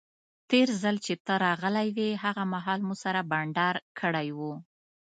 تیر ځل چې ته راغلی وې هغه مهال مو سره بانډار کړی وو.